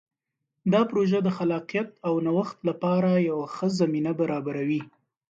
دا پروژه د خلاقیت او نوښت لپاره یوه ښه زمینه برابروي.